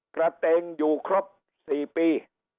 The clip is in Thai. กระเต็งอยู่ครบ๔ปี